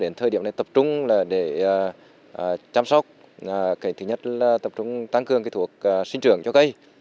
đến thời điểm này tập trung là để chăm sóc thứ nhất là tập trung tăng cường kỹ thuật sinh trưởng cho cây